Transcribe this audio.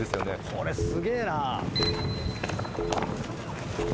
これすげぇな。